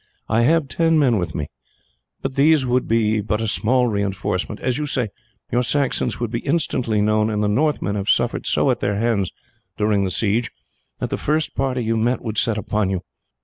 I have ten men with me, but these would be but a small reinforcement. As you say, your Saxons would be instantly known, and the Northmen have suffered so at their hands during the siege that the first party you met would set upon you."